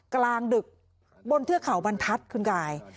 กลางดึกบนเทือกเขาบรรทัศน์คุณกาย